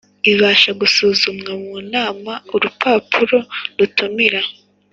ibasha gusuzumwa mu nama Urupapuro rutumira